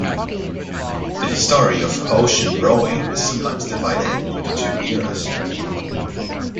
The history of ocean rowing is sometimes divided into two eras.